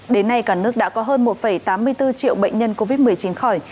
đến nay cả nước đã có hơn một tám mươi bốn triệu bệnh nhân covid một mươi chín khỏi